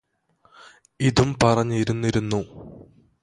ഇതും പറഞ്ഞ് ഇരുന്നിരുന്നു